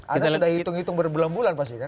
anda sudah hitung hitung berbulan bulan pasti kan